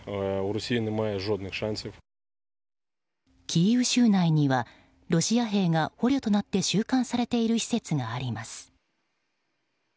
キーウ州内にはロシア兵が捕虜となって収監されている施設があります。